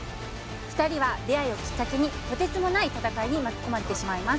２人は出会いをきっかけにとてつもない戦いに巻き込まれてしまいます